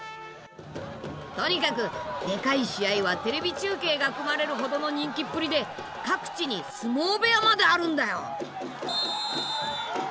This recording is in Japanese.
とにかくでかい試合はテレビ中継が組まれるほどの人気っぷりで各地に相撲部屋まであるんだよ。